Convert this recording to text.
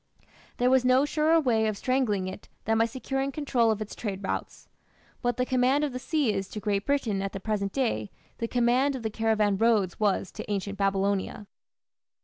There was no surer way of strangling it than by securing control of its trade routes. What the command of the sea is to Great Britain at the present day, the command of the caravan roads was to ancient Babylonia.